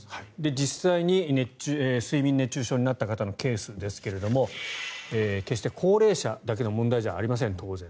実際に睡眠熱中症になった方のケースですが決して高齢者だけの問題ではありません、当然。